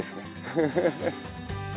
フフフッ。